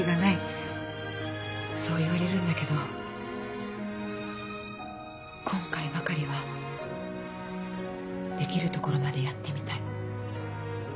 そう言われるんだけど今回ばかりはできるところまでやってみたい。